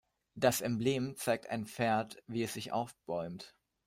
Das Emblem zeigt ein Pferd, wie es sich aufbäumt.